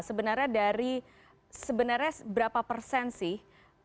sebenarnya dari sebenarnya berapa persen sih